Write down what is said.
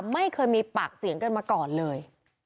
ไม่เคยมีปากเสียงกันมาก่อนเลย